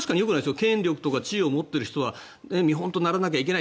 権力とか地位を持ってる人は見本にならなきゃいけない。